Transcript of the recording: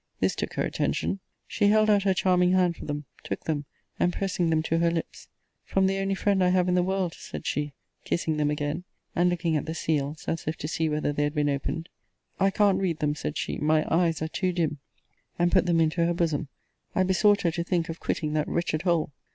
This took her attention. She held out her charming hand for them; took them, and, pressing them to her lips From the only friend I have in the world! said she; kissing them again; and looking at the seals, as if to see whether they had been opened. I can't read them, said she, my eyes are too dim; and put them into her bosom. I besought her to think of quitting that wretched hole.